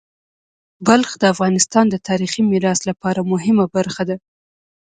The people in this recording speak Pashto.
بلخ د افغانستان د تاریخی میراث لپاره مهمه برخه ده.